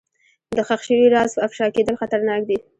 د ښخ شوي راز افشا کېدل خطرناک دي.